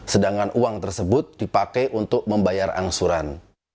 sedangkan uang tersebut dipakai untuk membayar angsuran